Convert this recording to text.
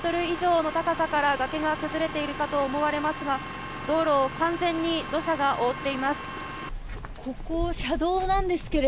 ２０ｍ以上の高さから崖が崩れているかと思われますが道路を完全に土砂が覆っています。